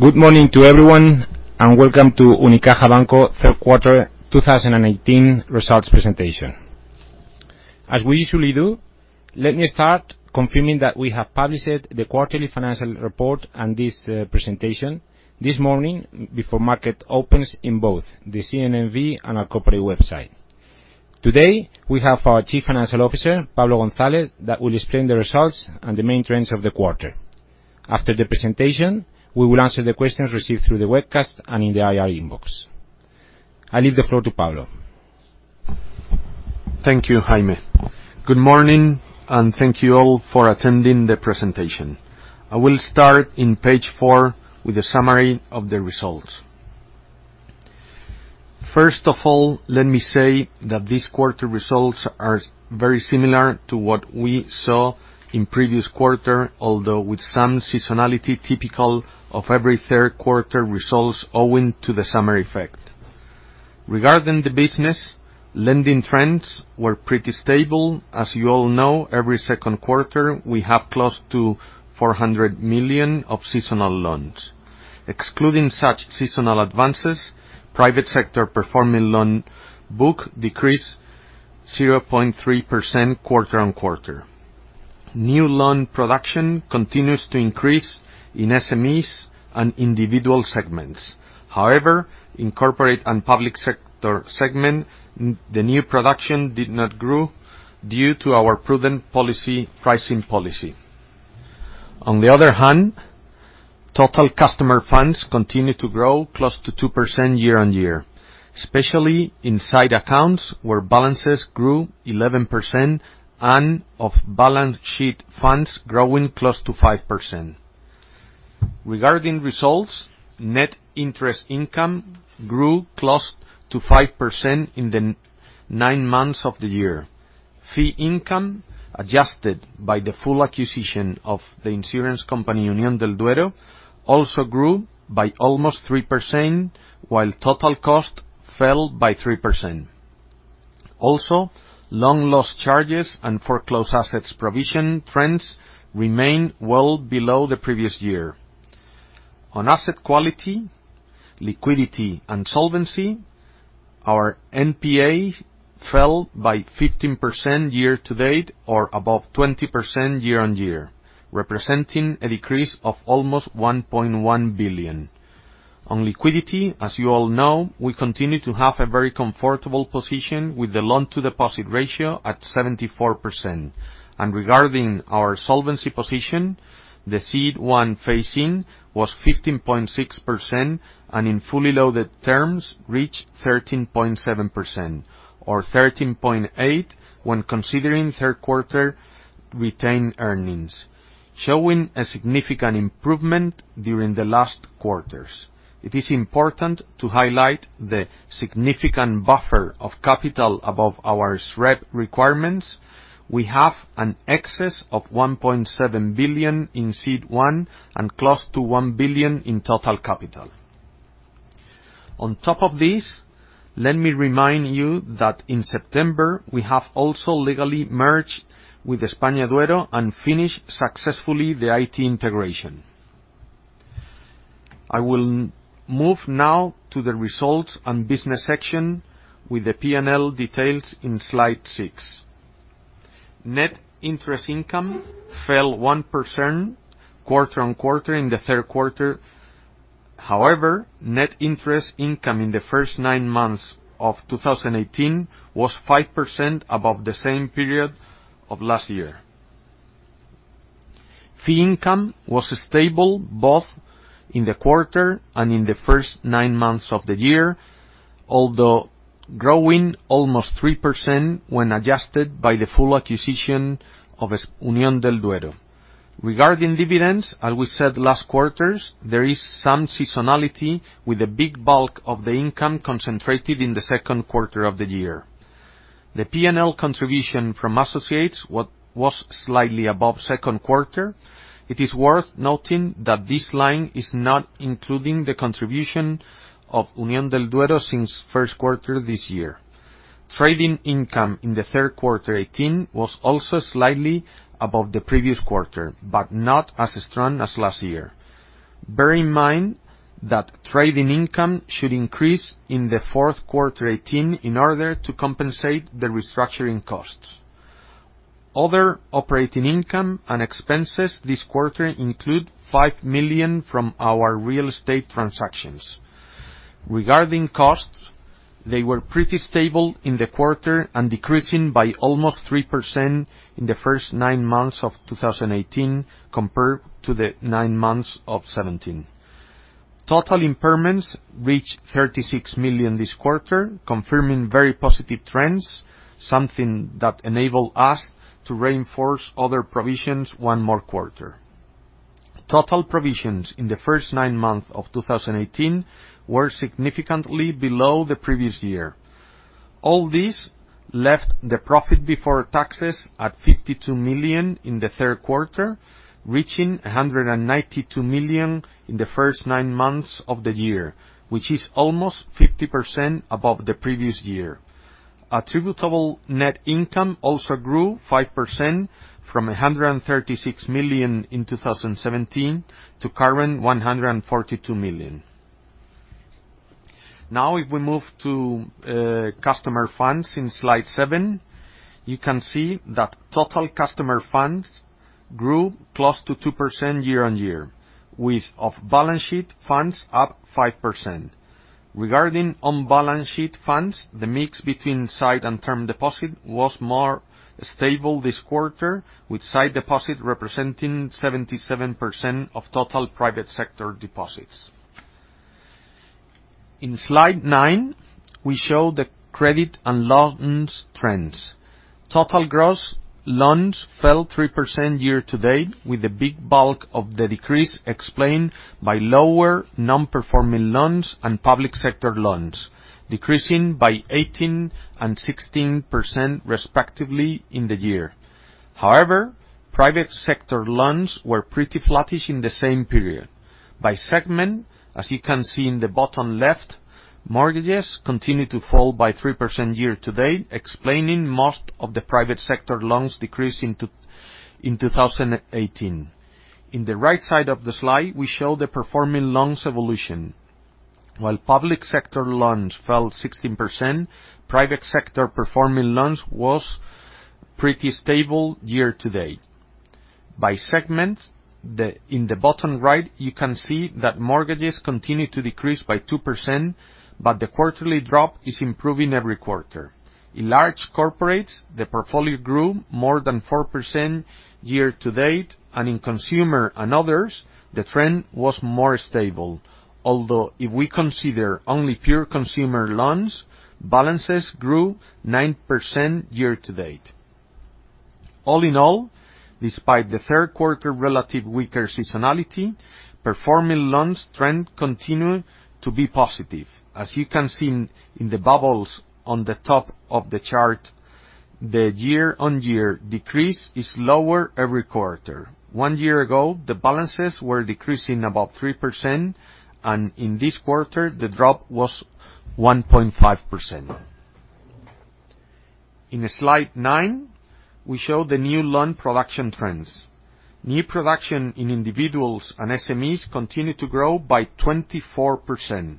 Good morning to everyone, and welcome to Unicaja Banco third quarter 2018 results presentation. As we usually do, let me start confirming that we have published the quarterly financial report and this presentation this morning before market opens in both the CNMV and our corporate website. Today, we have our Chief Financial Officer, Pablo González, that will explain the results and the main trends of the quarter. After the presentation, we will answer the questions received through the webcast and in the IR inbox. I leave the floor to Pablo. Thank you, Jaime. Good morning, and thank you all for attending the presentation. I will start on page four with a summary of the results. First of all, let me say that these quarter results are very similar to what we saw in previous quarter, although with some seasonality typical of every third quarter results owing to the summer effect. Regarding the business, lending trends were pretty stable. As you all know, every second quarter, we have close to 400 million of seasonal loans. Excluding such seasonal advances, private sector performing loan book decreased 0.3% quarter-on-quarter. New loan production continues to increase in SMEs and individual segments. In corporate and public sector segment, the new production did not grow due to our proven pricing policy. Total customer funds continue to grow close to 2% year-on-year, especially inside accounts where balances grew 11% and off-balance sheet funds growing close to 5%. Regarding results, net interest income grew close to 5% in the nine months of the year. Fee income, adjusted by the full acquisition of the insurance company, Unión del Duero, also grew by almost 3%, while total cost fell by 3%. Loan loss charges and foreclosed assets provision trends remain well below the previous year. On asset quality, liquidity, and solvency, our NPA fell by 15% year-to-date or above 20% year-on-year, representing a decrease of almost 1.1 billion. On liquidity, as you all know, we continue to have a very comfortable position with the loan-to-deposit ratio at 74%. Regarding our solvency position, the CET1 phase-in was 15.6%, and in fully loaded terms, reached 13.7%, or 13.8% when considering third quarter retained earnings, showing a significant improvement during the last quarters. It is important to highlight the significant buffer of capital above our SREP requirements. We have an excess of 1.7 billion in CET1 and close to 1 billion in total capital. On top of this, let me remind you that in September, we have also legally merged with EspañaDuero and finished successfully the IT integration. I will move now to the results and business section with the P&L details on slide six. Net interest income fell 1% quarter-on-quarter in the third quarter. Net interest income in the first nine months of 2018 was 5% above the same period of last year. Fee income was stable both in the quarter and in the first nine months of the year, although growing almost 3% when adjusted by the full acquisition of Unión del Duero. Regarding dividends, as we said last quarters, there is some seasonality with a big bulk of the income concentrated in the second quarter of the year. The P&L contribution from associates was slightly above second quarter. It is worth noting that this line is not including the contribution of Unión del Duero since first quarter this year. Trading income in the third quarter 2018 was also slightly above the previous quarter, but not as strong as last year. Bear in mind that trading income should increase in the fourth quarter 2018 in order to compensate the restructuring costs. Other operating income and expenses this quarter include 5 million from our real estate transactions. Regarding costs, they were pretty stable in the quarter and decreasing by almost 3% in the first nine months of 2018 compared to the nine months of 2017. Total impairments reached 36 million this quarter, confirming very positive trends, something that enabled us to reinforce other provisions one more quarter. Total provisions in the first nine months of 2018 were significantly below the previous year. All this left the profit before taxes at 52 million in the third quarter, reaching 192 million in the first nine months of the year, which is almost 50% above the previous year. Attributable net income also grew 5%, from 136 million in 2017 to current 142 million. Now, if we move to customer funds in slide seven, you can see that total customer funds grew close to 2% year-on-year, with off-balance sheet funds up 5%. Regarding on-balance sheet funds, the mix between sight and term deposit was more stable this quarter, with sight deposit representing 77% of total private sector deposits. In slide nine, we show the credit and loans trends. Total gross loans fell 3% year-to-date, with the big bulk of the decrease explained by lower non-performing loans and public sector loans, decreasing by 18% and 16%, respectively, in the year. However, private sector loans were pretty flattish in the same period. By segment, as you can see in the bottom left, mortgages continued to fall by 3% year-to-date, explaining most of the private sector loans decrease in 2018. In the right side of the slide, we show the performing loans evolution. While public sector loans fell 16%, private sector performing loans was pretty stable year-to-date. By segment, in the bottom right, you can see that mortgages continued to decrease by 2%, but the quarterly drop is improving every quarter. In large corporates, the portfolio grew more than 4% year-to-date, and in consumer and others, the trend was more stable. Although if we consider only pure consumer loans, balances grew 9% year-to-date. All in all, despite the third quarter relative weaker seasonality, performing loans trend continued to be positive. As you can see in the bubbles on the top of the chart, the year-on-year decrease is lower every quarter. One year ago, the balances were decreasing about 3%, and in this quarter, the drop was 1.5%. In slide nine, we show the new loan production trends. New production in individuals and SMEs continued to grow by 24%.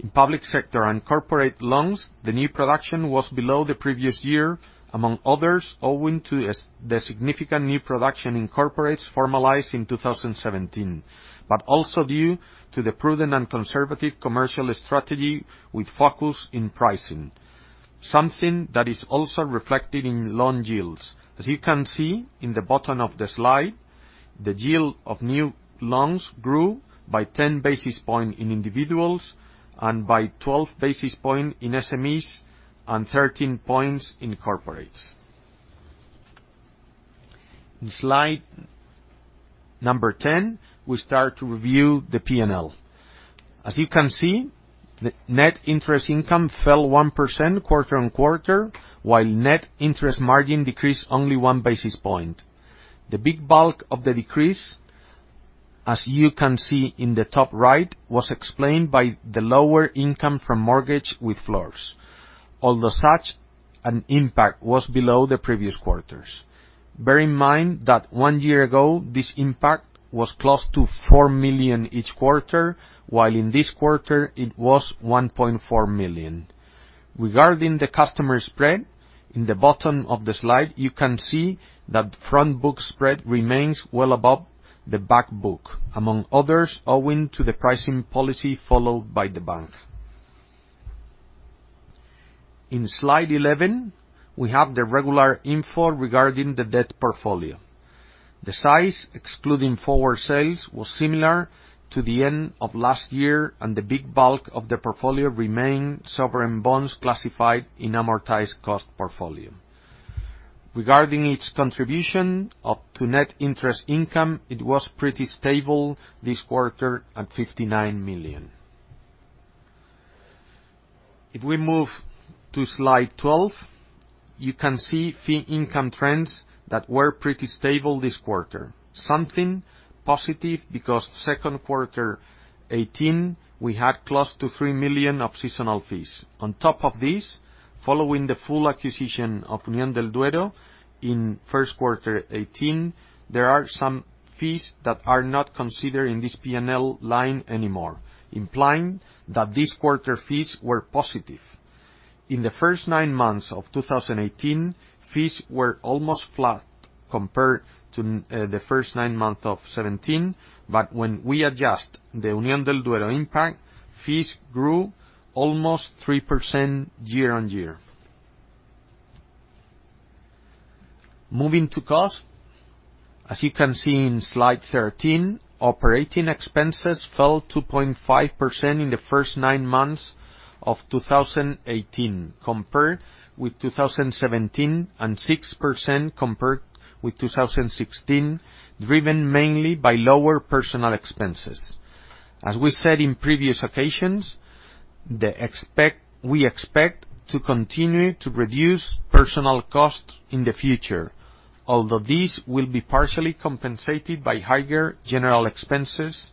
In public sector and corporate loans, the new production was below the previous year, among others, owing to the significant new production in corporates formalized in 2017, but also due to the prudent and conservative commercial strategy with focus in pricing. Something that is also reflected in loan yields. As you can see in the bottom of the slide, the yield of new loans grew by 10 basis points in individuals and by 12 basis points in SMEs and 13 points in corporates. In slide number 10, we start to review the P&L. As you can see, net interest income fell 1% quarter-on-quarter, while net interest margin decreased only one basis point. The big bulk of the decrease, as you can see in the top right, was explained by the lower income from mortgage with floors. Although such an impact was below the previous quarters. Bear in mind that one year ago, this impact was close to 4 million each quarter, while in this quarter it was 1.4 million. Regarding the customer spread, in the bottom of the slide, you can see that front book spread remains well above the back book, among others, owing to the pricing policy followed by the bank. In slide 11, we have the regular info regarding the debt portfolio. The size, excluding forward sales, was similar to the end of last year, and the big bulk of the portfolio remained sovereign bonds classified in amortized cost portfolio. Regarding its contribution up to net interest income, it was pretty stable this quarter at 59 million. If we move to slide 12, you can see fee income trends that were pretty stable this quarter. Something positive because second quarter 2018, we had close to 3 million of seasonal fees. On top of this, following the full acquisition of Unión del Duero in first quarter 2018, there are some fees that are not considered in this P&L line anymore, implying that this quarter fees were positive. In the first nine months of 2018, fees were almost flat compared to the first nine months of 2017. When we adjust the Unión del Duero impact, fees grew almost 3% year-on-year. Moving to cost, as you can see in slide 13, operating expenses fell 2.5% in the first nine months of 2018 compared with 2017, and 6% compared with 2016, driven mainly by lower personal expenses. As we said in previous occasions, we expect to continue to reduce personal costs in the future. Although these will be partially compensated by higher general expenses.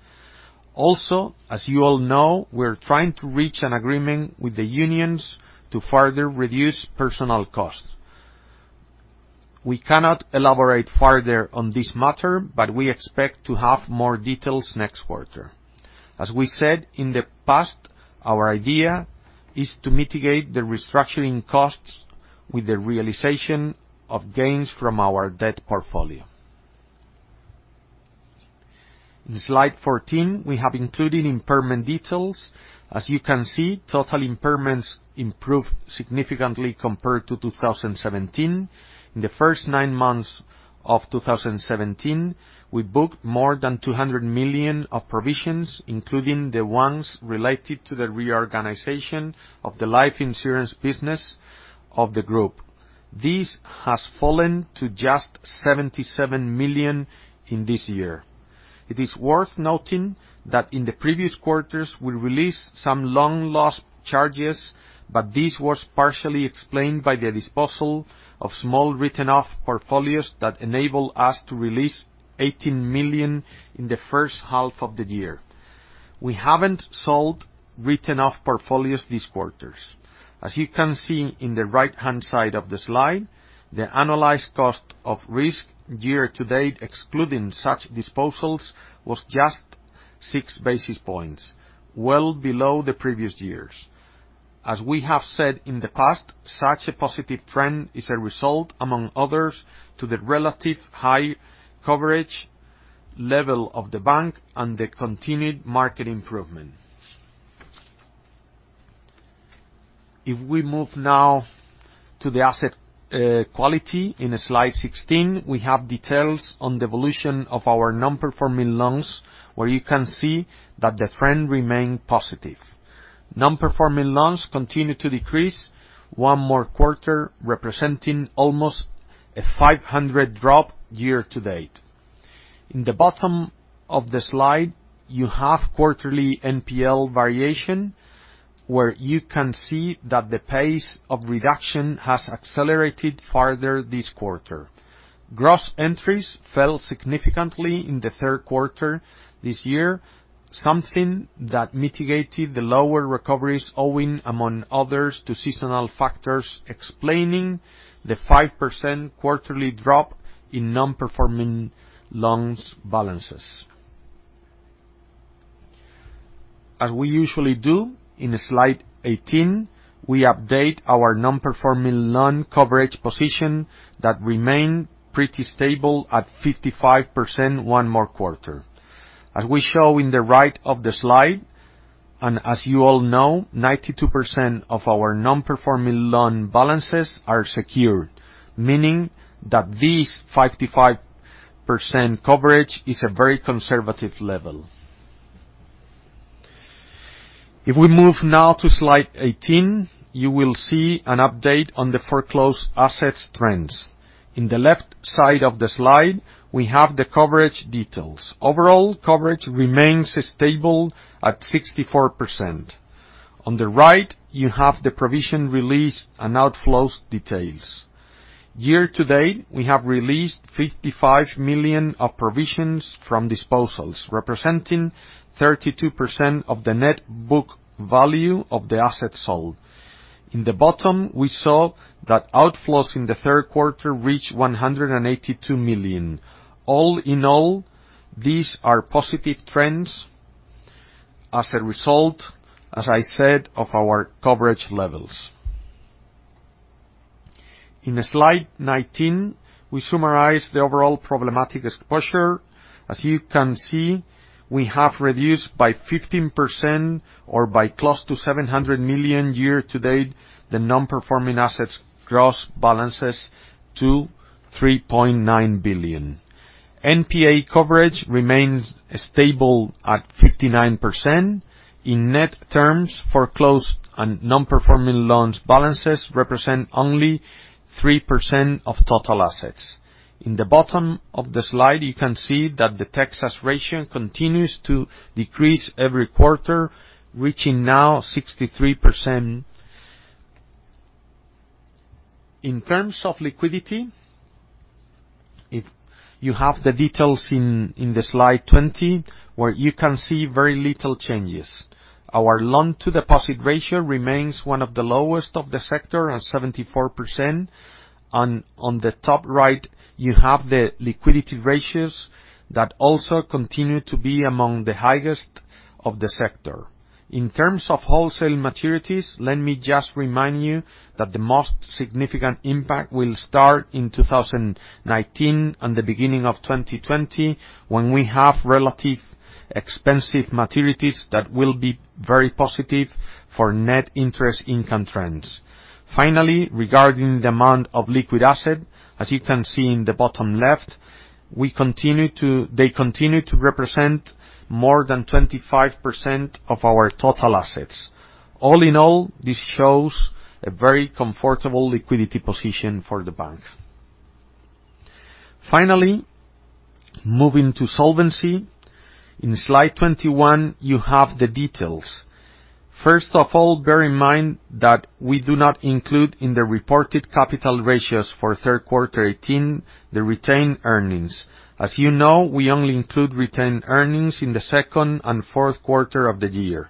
As you all know, we're trying to reach an agreement with the unions to further reduce personnel costs. We cannot elaborate further on this matter, but we expect to have more details next quarter. As we said in the past, our idea is to mitigate the restructuring costs with the realization of gains from our debt portfolio. In slide 14, we have included impairment details. As you can see, total impairments improved significantly compared to 2017. In the first nine months of 2017, we booked more than 200 million of provisions, including the ones related to the reorganization of the life insurance business of the group. This has fallen to just 77 million in this year. It is worth noting that in the previous quarters, we released some loan loss charges, but this was partially explained by the disposal of small written-off portfolios that enabled us to release 18 million in the first half of the year. We haven't sold written-off portfolios this quarter. As you can see in the right-hand side of the slide, the annualized cost of risk year-to-date, excluding such disposals, was just six basis points, well below the previous years. As we have said in the past, such a positive trend is a result, among others, to the relative high coverage level of the bank and the continued market improvement. If we move now to the asset quality in slide 16, we have details on the evolution of our non-performing loans, where you can see that the trend remained positive. Non-performing loans continued to decrease one more quarter, representing almost a 500 drop year-to-date. In the bottom of the slide, you have quarterly NPL variation, where you can see that the pace of reduction has accelerated further this quarter. Gross entries fell significantly in the third quarter this year, something that mitigated the lower recoveries owing, among others, to seasonal factors, explaining the 5% quarterly drop in non-performing loans balances. As we usually do, in slide 18, we update our non-performing loan coverage position that remained pretty stable at 55% one more quarter. As we show in the right of the slide, and as you all know, 92% of our non-performing loan balances are secured, meaning that this 55% coverage is a very conservative level. If we move now to slide 18, you will see an update on the foreclosed assets trends. In the left side of the slide, we have the coverage details. Overall coverage remains stable at 64%. On the right, you have the provision released and outflows details. Year-to-date, we have released 55 million of provisions from disposals, representing 32% of the net book value of the asset sold. In the bottom, we saw that outflows in the third quarter reached 182 million. All in all, these are positive trends as a result, as I said, of our coverage levels. In slide 19, we summarize the overall problematic exposure. As you can see, we have reduced by 15%, or by close to 700 million year-to-date, the non-performing assets gross balances to 3.9 billion. NPA coverage remains stable at 59%. In net terms, foreclosed and non-performing loans balances represent only 3% of total assets. In the bottom of the slide, you can see that the Texas ratio continues to decrease every quarter, reaching now 63%. In terms of liquidity, you have the details in slide 20, where you can see very little changes. Our loan-to-deposit ratio remains one of the lowest of the sector at 74%. On the top right, you have the liquidity ratios that also continue to be among the highest of the sector. In terms of wholesale maturities, let me just remind you that the most significant impact will start in 2019 and the beginning of 2020, when we have relative expensive maturities that will be very positive for net interest income trends. Finally, regarding the amount of liquid asset, as you can see in the bottom left, they continue to represent more than 25% of our total assets. All in all, this shows a very comfortable liquidity position for the bank. Finally, moving to solvency. In slide 21, you have the details. First of all, bear in mind that we do not include in the reported capital ratios for Q3 2018, the retained earnings. As you know, we only include retained earnings in the second and fourth quarter of the year.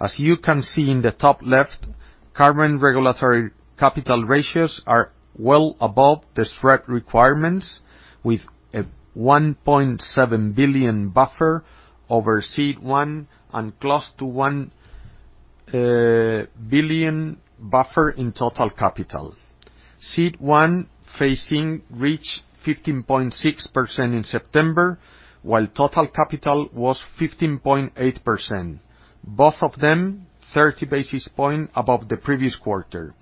As you can see in the top left, current regulatory capital ratios are well above the SREP requirements, with a 1.7 billion buffer over CET1 and close to 1 billion buffer in total capital. CET1 phasing reached 15.6% in September, while total capital was 15.8%, both of them 30 basis points above the previous quarter.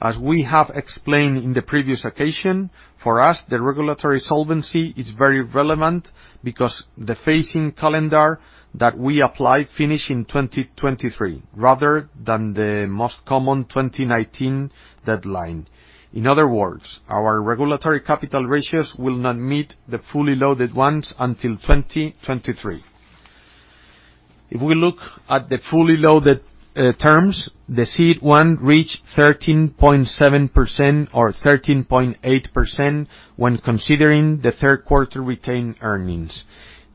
As we have explained in the previous occasion, for us, the regulatory solvency is very relevant because the phasing calendar that we apply finishes in 2023, rather than the most common 2019 deadline. In other words, our regulatory capital ratios will not meet the fully loaded ones until 2023. If we look at the fully loaded terms, the CET1 reached 13.7% or 13.8% when considering the third quarter retained earnings.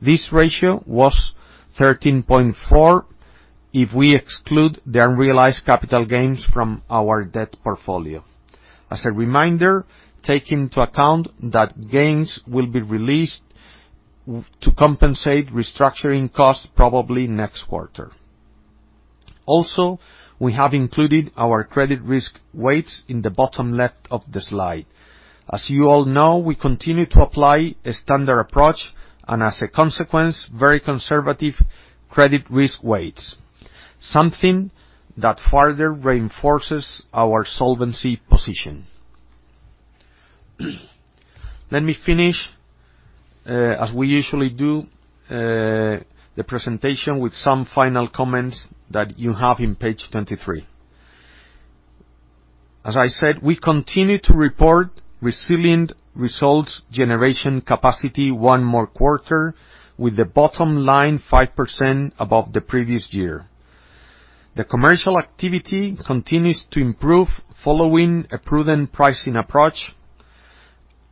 This ratio was 13.4% if we exclude the unrealized capital gains from our debt portfolio. As a reminder, take into account that gains will be released to compensate restructuring costs probably next quarter. We have included our credit risk weights in the bottom left of the slide. As you all know, we continue to apply a standard approach and as a consequence, very conservative credit risk weights. Something that further reinforces our solvency position. Let me finish, as we usually do, the presentation with some final comments that you have on page 23. As I said, we continue to report resilient results generation capacity one more quarter with the bottom line 5% above the previous year. The commercial activity continues to improve following a prudent pricing approach.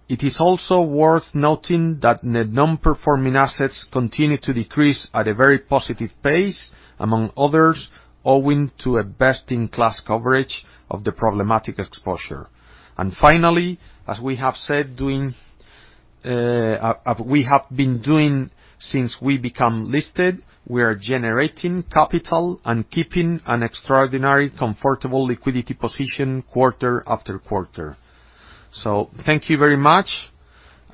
It is also worth noting that the non-performing assets continue to decrease at a very positive pace, among others, owing to a best-in-class coverage of the problematic exposure. Finally, as we have been doing since we become listed, we are generating capital and keeping an extraordinarily comfortable liquidity position quarter after quarter. Thank you very much,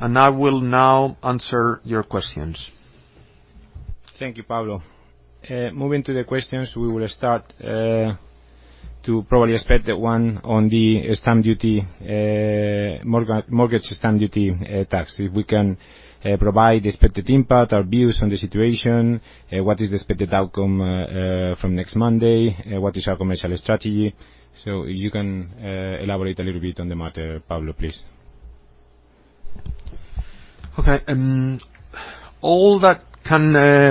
and I will now answer your questions. Thank you, Pablo. Moving to the questions, we will start to probably expect one on the mortgage stamp duty tax. If we can provide the expected impact, our views on the situation, what is the expected outcome from next Monday? What is our commercial strategy? If you can elaborate a little bit on the matter, Pablo, please. Okay. All that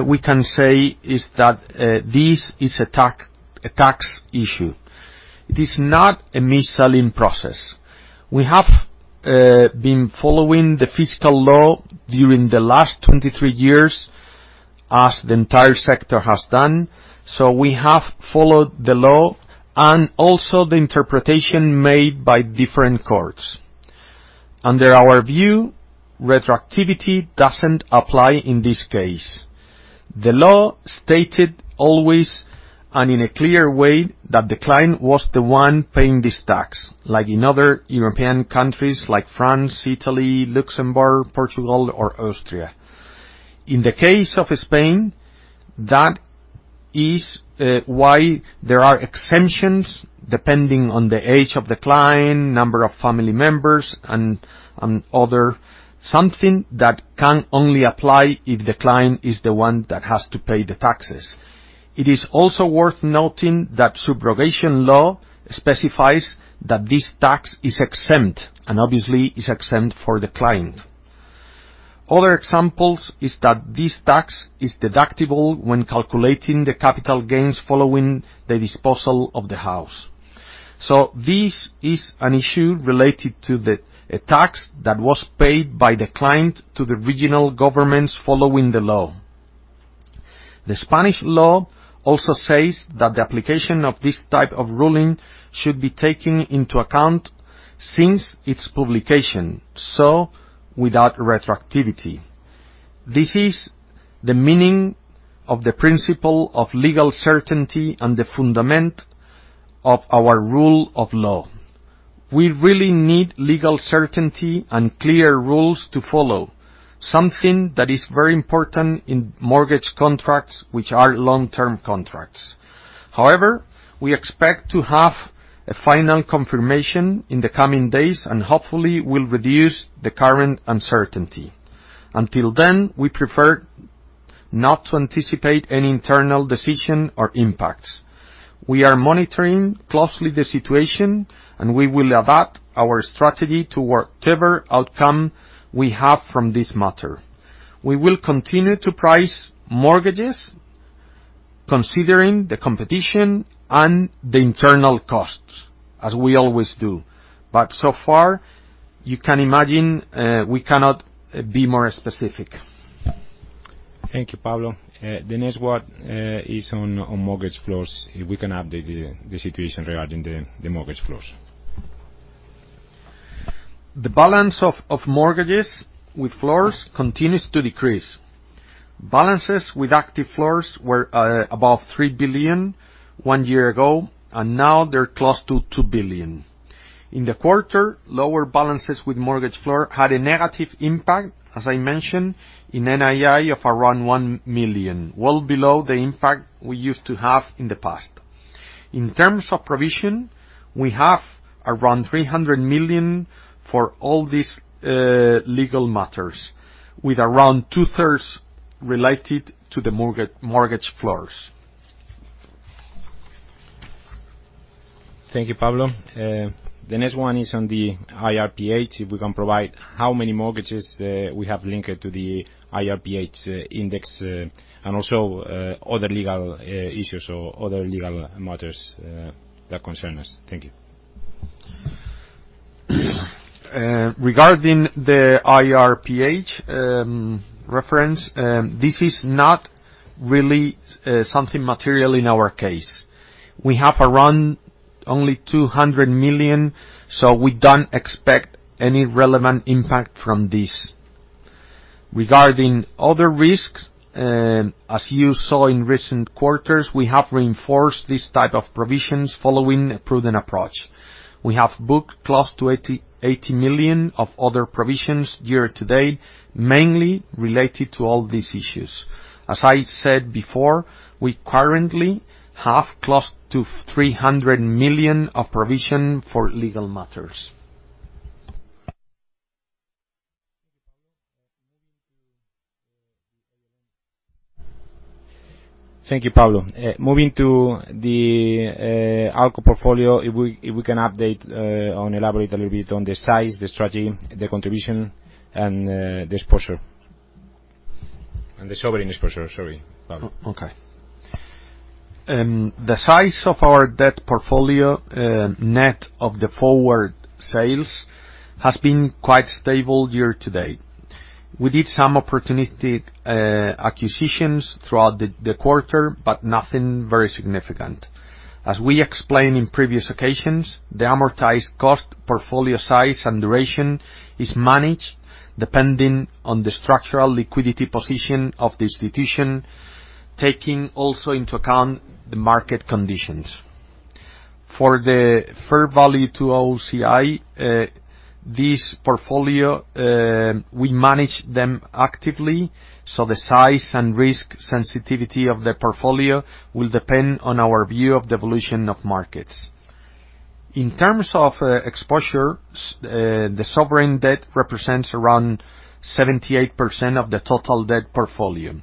we can say is that this is a tax issue. It is not a mis-selling process. We have been following the fiscal law during the last 23 years as the entire sector has done. We have followed the law and also the interpretation made by different courts. Under our view, retroactivity doesn't apply in this case. The law stated always and in a clear way that the client was the one paying this tax, like in other European countries like France, Italy, Luxembourg, Portugal, or Austria. In the case of Spain, that is why there are exemptions depending on the age of the client, number of family members, and other, something that can only apply if the client is the one that has to pay the taxes. It is also worth noting that subrogation law specifies that this tax is exempt, and obviously is exempt for the client. Other examples is that this tax is deductible when calculating the capital gains following the disposal of the house. This is an issue related to the tax that was paid by the client to the regional governments following the law. The Spanish law also says that the application of this type of ruling should be taken into account since its publication, so without retroactivity. This is the meaning of the principle of legal certainty and the fundament of our rule of law. We really need legal certainty and clear rules to follow. Something that is very important in mortgage contracts, which are long-term contracts. We expect to have a final confirmation in the coming days, and hopefully will reduce the current uncertainty. Until then, we prefer not to anticipate any internal decision or impact. We are monitoring closely the situation, and we will adapt our strategy to whatever outcome we have from this matter. We will continue to price mortgages considering the competition and the internal costs, as we always do. So far, you can imagine, we cannot be more specific. Thank you, Pablo. The next one is on mortgage floors, if we can update the situation regarding the mortgage floors. The balance of mortgages with floors continues to decrease. Balances with active floors were above 3 billion one year ago, and now they're close to 2 billion. In the quarter, lower balances with mortgage floor had a negative impact, as I mentioned, in NII of around 1 million, well below the impact we used to have in the past. In terms of provision, we have around 300 million for all these legal matters, with around two-thirds related to the mortgage floors. Thank you, Pablo. The next one is on the IRPH, if we can provide how many mortgages we have linked to the IRPH index and also other legal issues or other legal matters that concern us. Thank you. Regarding the IRPH reference, this is not really something material in our case. We have around only 200 million. We don't expect any relevant impact from this. Regarding other risks, as you saw in recent quarters, we have reinforced this type of provisions following a prudent approach. We have booked close to 80 million of other provisions year to date, mainly related to all these issues. As I said before, we currently have close to 300 million of provision for legal matters. Thank you, Pablo. Moving to the ALCO portfolio, if we can update or elaborate a little bit on the size, the strategy, the contribution, and the exposure. The sovereign exposure, sorry, Pablo. Okay. The size of our debt portfolio, net of the forward sales, has been quite stable year to date. We did some opportunistic acquisitions throughout the quarter, but nothing very significant. As we explained in previous occasions, the amortized cost portfolio size and duration is managed depending on the structural liquidity position of the institution, taking also into account the market conditions. For the fair value to OCI, this portfolio, we manage them actively, so the size and risk sensitivity of the portfolio will depend on our view of the evolution of markets. In terms of exposure, the sovereign debt represents around 78% of the total debt portfolio,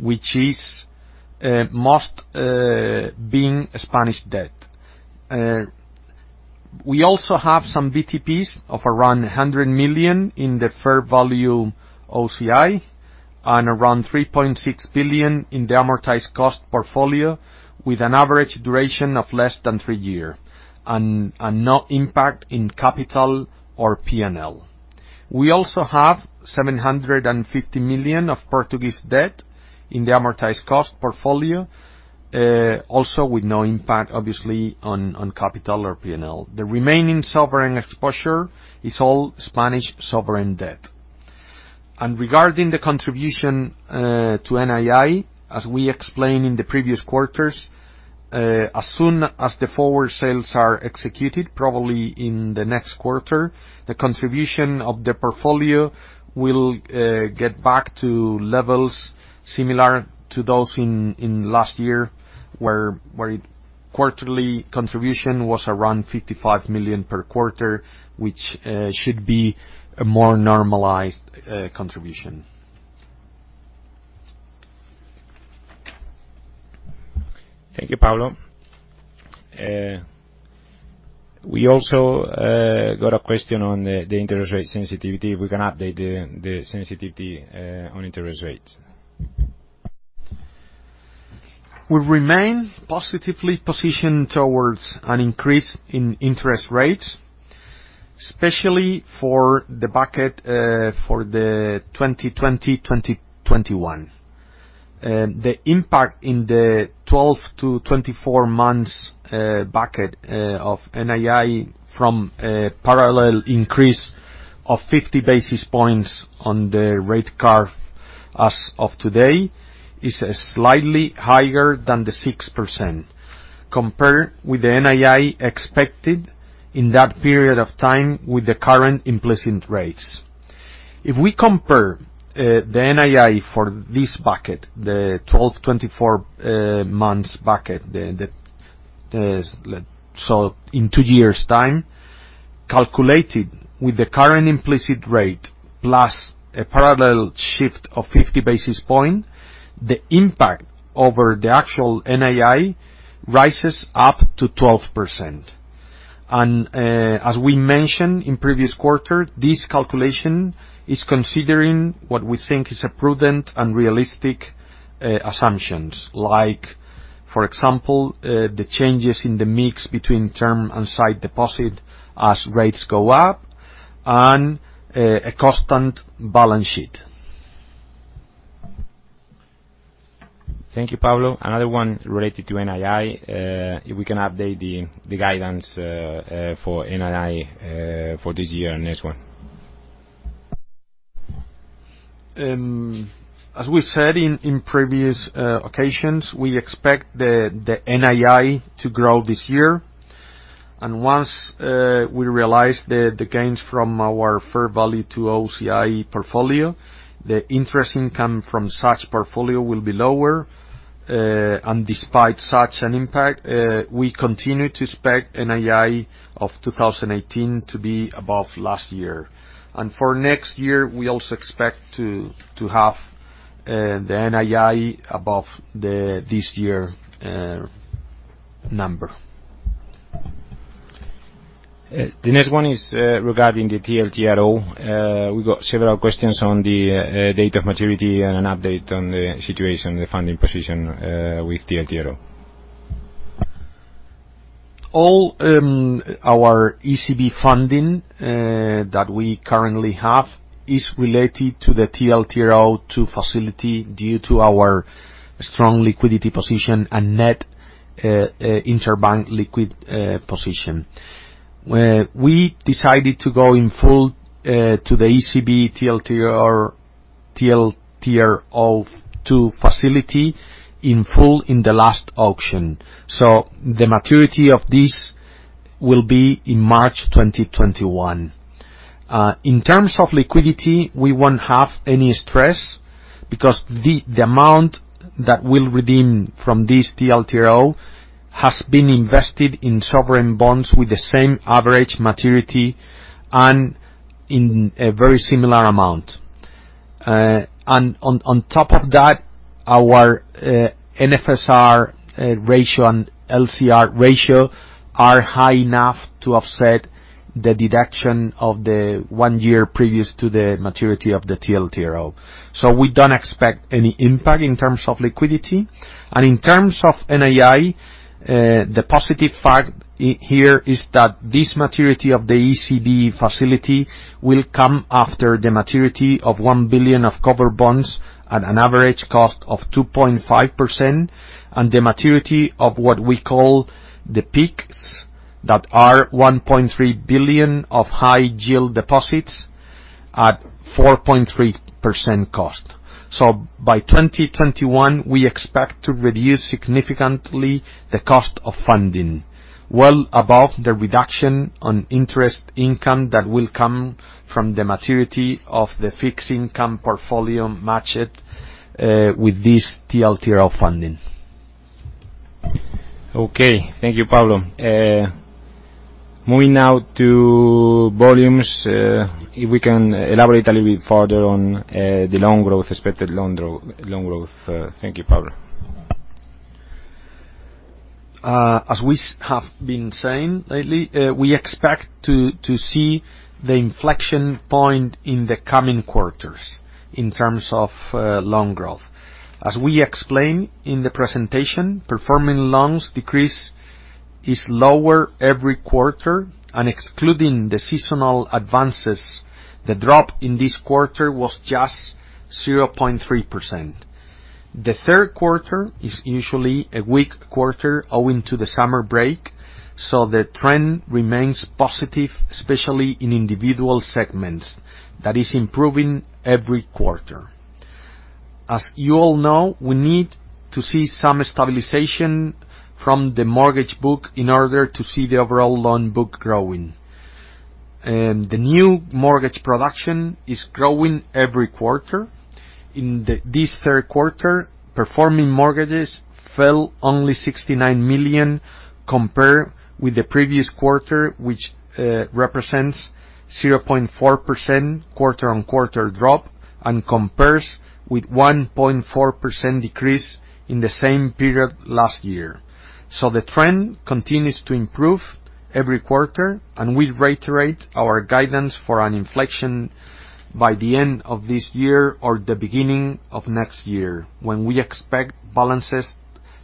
which is most being Spanish debt. We also have some BTPs of around 100 million in the fair value OCI and around 3.6 billion in the amortized cost portfolio with an average duration of less than three year, and no impact in capital or P&L. We also have 750 million of Portuguese debt in the amortized cost portfolio, also with no impact, obviously, on capital or P&L. The remaining sovereign exposure is all Spanish sovereign debt. Regarding the contribution to NII, as we explained in the previous quarters, as soon as the forward sales are executed, probably in the next quarter, the contribution of the portfolio will get back to levels similar to those in last year, where quarterly contribution was around 55 million per quarter, which should be a more normalized contribution. Thank you, Pablo. We also got a question on the interest rate sensitivity. We can update the sensitivity on interest rates. We remain positively positioned towards an increase in interest rates, especially for the bucket for the 2020, 2021. The impact in the 12-24 months bucket of NII from a parallel increase of 50 basis points on the rate curve as of today is slightly higher than the 6%, compared with the NII expected in that period of time with the current implicit rates. If we compare the NII for this bucket, the 12-24 months bucket in two years' time, calculated with the current implicit rate plus a parallel shift of 50 basis point, the impact over the actual NII rises up to 12%. As we mentioned in previous quarter, this calculation is considering what we think is a prudent and realistic assumptions like, for example, the changes in the mix between term and sight deposit as rates go up, and a constant balance sheet. Thank you, Pablo. Another one related to NII, if we can update the guidance for NII for this year and next one. As we said in previous occasions, we expect the NII to grow this year. Once we realize the gains from our fair value to OCI portfolio, the interest income from such portfolio will be lower. Despite such an impact, we continue to expect NII of 2018 to be above last year. For next year, we also expect to have the NII above this year number. The next one is regarding the TLTRO. We got several questions on the date of maturity and an update on the situation, the funding position with TLTRO. All our ECB funding that we currently have is related to the TLTRO II facility due to our strong liquidity position and net interbank liquid position. We decided to go in full to the ECB TLTRO II facility in full in the last auction. The maturity of this will be in March 2021. In terms of liquidity, we won't have any stress because the amount that we'll redeem from this TLTRO has been invested in sovereign bonds with the same average maturity and in a very similar amount. On top of that, our NSFR ratio and LCR ratio are high enough to offset the deduction of the one year previous to the maturity of the TLTRO. We don't expect any impact in terms of liquidity. In terms of NII, the positive fact here is that this maturity of the ECB facility will come after the maturity of 1 billion of cover bonds at an average cost of 2.5%, and the maturity of what we call the peaks that are 1.3 billion of high yield deposits at 4.3% cost. By 2021, we expect to reduce significantly the cost of funding, well above the reduction on interest income that will come from the maturity of the fixed income portfolio matched with this TLTRO funding. Okay. Thank you, Pablo. Moving now to volumes, if we can elaborate a little bit further on the expected loan growth. Thank you, Pablo. As we have been saying lately, we expect to see the inflection point in the coming quarters in terms of loan growth. As we explained in the presentation, performing loans decrease is lower every quarter, and excluding the seasonal advances, the drop in this quarter was just 0.3%. The third quarter is usually a weak quarter owing to the summer break, so the trend remains positive, especially in individual segments that is improving every quarter. As you all know, we need to see some stabilization from the mortgage book in order to see the overall loan book growing. The new mortgage production is growing every quarter. In this third quarter, performing mortgages fell only 69 million compared with the previous quarter, which represents 0.4% quarter-on-quarter drop and compares with 1.4% decrease in the same period last year. The trend continues to improve every quarter, and we reiterate our guidance for an inflection by the end of this year or the beginning of next year, when we expect balances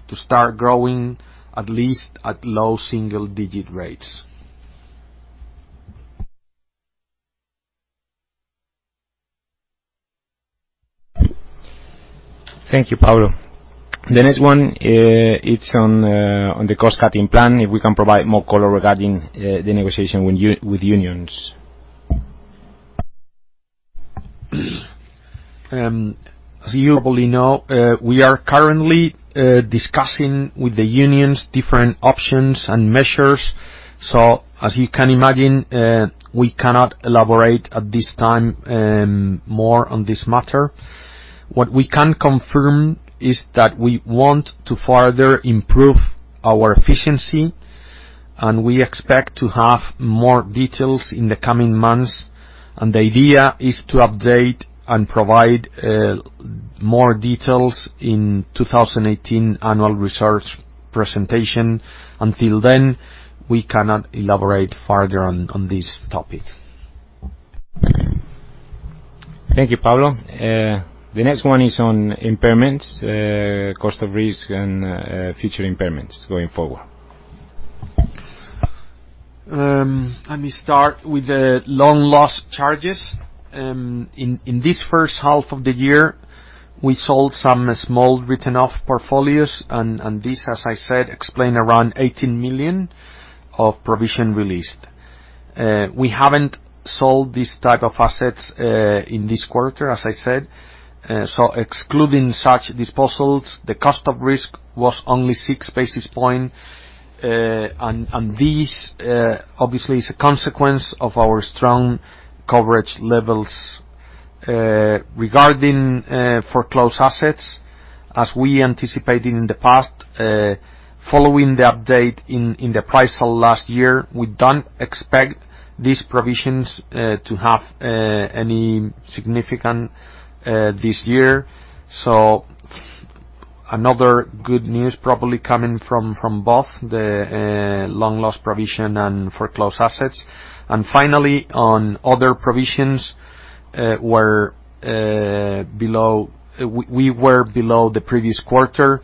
to start growing at least at low single-digit rates. Thank you, Pablo. The next one, it's on the cost-cutting plan, if we can provide more color regarding the negotiation with unions. As you probably know, we are currently discussing with the unions different options and measures. As you can imagine, we cannot elaborate at this time more on this matter. What we can confirm is that we want to further improve our efficiency, we expect to have more details in the coming months. The idea is to update and provide more details in 2018 annual results presentation. Until then, we cannot elaborate further on this topic. Thank you, Pablo. The next one is on impairments, cost of risk, and future impairments going forward. Let me start with the loan loss charges. In this first half of the year, we sold some small written-off portfolios, this, as I said, explain around 18 million of provision released. We haven't sold this type of assets in this quarter, as I said. Excluding such disposals, the cost of risk was only six basis point. This, obviously, is a consequence of our strong coverage levels. Regarding foreclosed assets, as we anticipated in the past, following the update in the price of last year, we don't expect these provisions to have any significant this year. Another good news probably coming from both the loan loss provision and foreclosed assets. Finally, on other provisions, we were below the previous quarter,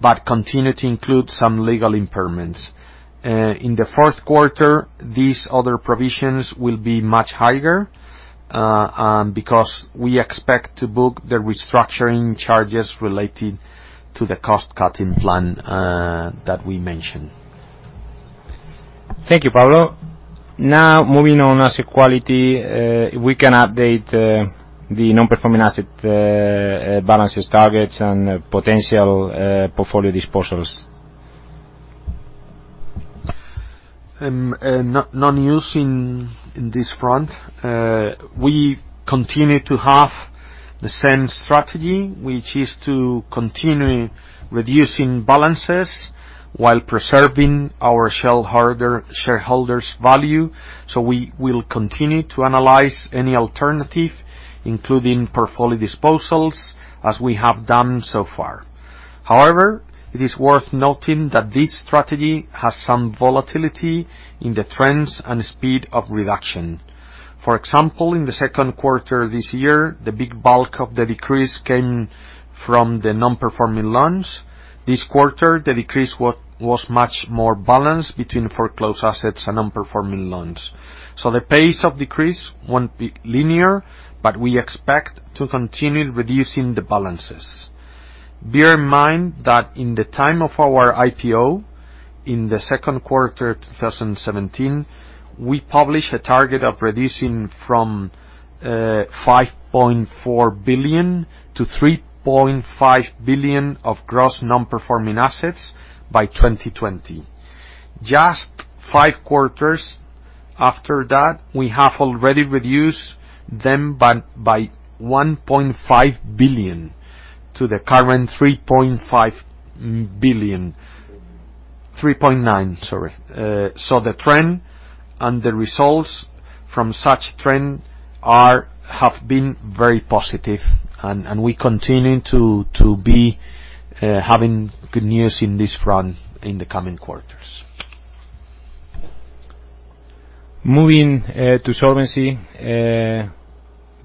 but continue to include some legal impairments. In the fourth quarter, these other provisions will be much higher, because we expect to book the restructuring charges related to the cost-cutting plan that we mentioned. Thank you, Pablo. Moving on asset quality, we can update the non-performing asset balances targets and potential portfolio disposals. We continue to have the same strategy, which is to continue reducing balances while preserving our shareholders' value. We will continue to analyze any alternative, including portfolio disposals, as we have done so far. However, it is worth noting that this strategy has some volatility in the trends and speed of reduction. For example, in the second quarter this year, the big bulk of the decrease came from the non-performing loans. This quarter, the decrease was much more balanced between foreclosed assets and non-performing loans. The pace of decrease won't be linear, but we expect to continue reducing the balances. Bear in mind that in the time of our IPO, in the second quarter 2017, we published a target of reducing from 5.4 billion to 3.5 billion of gross non-performing assets by 2020. Just five quarters after that, we have already reduced them by 1.5 billion to the current 3.9 billion. The trend and the results from such trend have been very positive, and we continue to be having good news in this front in the coming quarters. Moving to solvency.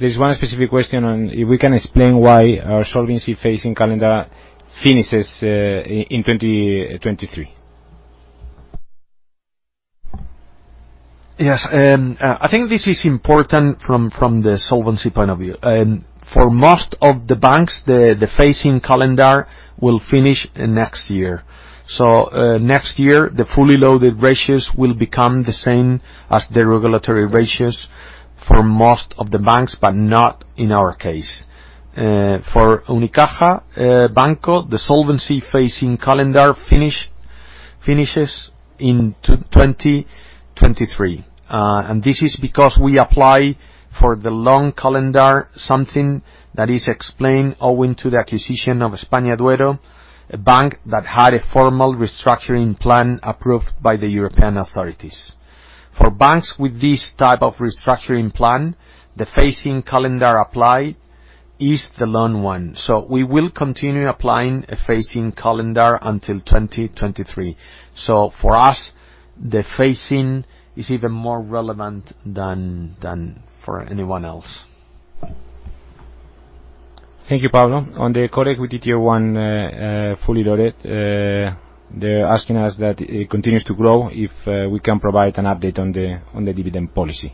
There's one specific question on if we can explain why our solvency phasing calendar finishes in 2023. Yes. I think this is important from the solvency point of view. For most of the banks, the phasing calendar will finish next year. Next year, the fully loaded ratios will become the same as the regulatory ratios for most of the banks, but not in our case. For Unicaja Banco, the solvency phasing calendar finishes in 2023. This is because we apply for the long calendar, something that is explained owing to the acquisition of EspañaDuero, a bank that had a formal restructuring plan approved by the European authorities. For banks with this type of restructuring plan, the phasing calendar applied is the loan one. We will continue applying a phasing calendar until 2023. For us, the phasing is even more relevant than for anyone else. Thank you, Pablo. On the Core Equity Tier 1 fully loaded, they're asking us that it continues to grow, if we can provide an update on the dividend policy.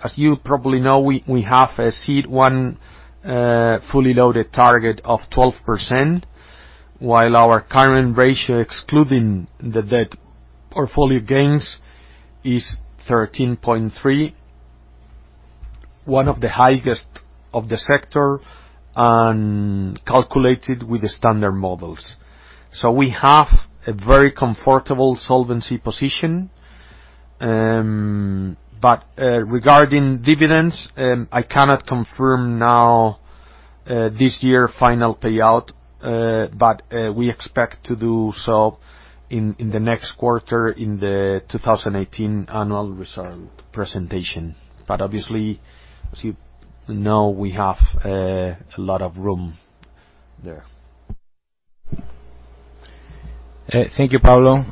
As you probably know, we have a CET1 fully loaded target of 12%, while our current ratio, excluding the debt portfolio gains, is 13.3. One of the highest of the sector and calculated with the standard models. We have a very comfortable solvency position. Regarding dividends, I cannot confirm now this year final payout, but we expect to do so in the next quarter in the 2018 annual result presentation. Obviously, as you know, we have a lot of room there. Thank you, Pablo.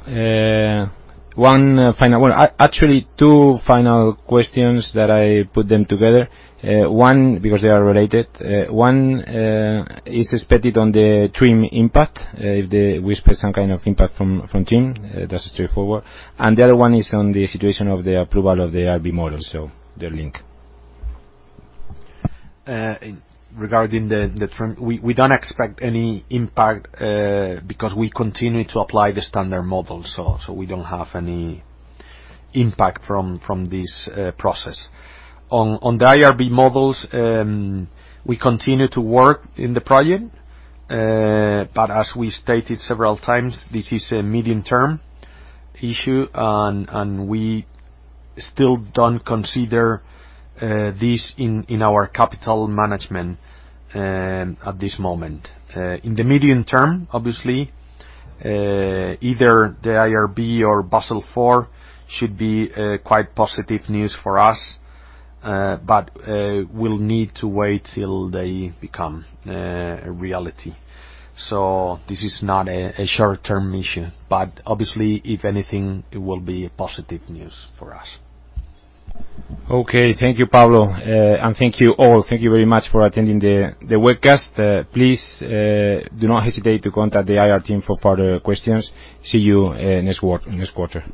One final, actually two final questions that I put them together. One, because they are related. One is expected on the TRIM impact, if we expect some kind of impact from TRIM, that's straightforward. The other one is on the situation of the approval of the IRB model, they're linked. Regarding the TRIM, we don't expect any impact, because we continue to apply the standard model, so we don't have any impact from this process. On the IRB models, we continue to work in the project. As we stated several times, this is a medium term issue, and we still don't consider this in our capital management at this moment. In the medium term, obviously, either the IRB or Basel IV should be quite positive news for us, but we'll need to wait till they become a reality. This is not a short-term issue, but obviously, if anything, it will be positive news for us. Okay. Thank you, Pablo. Thank you all. Thank you very much for attending the webcast. Please do not hesitate to contact the IR team for further questions. See you next quarter.